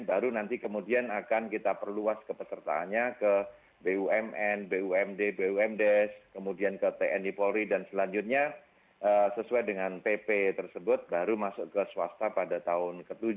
baru nanti kemudian akan kita perluas kepesertaannya ke bumn bumd bumdes kemudian ke tni polri dan selanjutnya sesuai dengan pp tersebut baru masuk ke swasta pada tahun ke tujuh